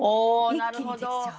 一気にできちゃう。